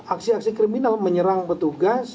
aksi aksi kriminal menyerang petugas